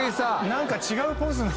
何か違うポーズに。